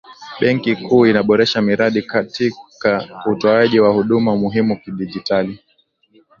benki kuu inaboresha miradi katika utoaji wa huduma muhimu kidigitali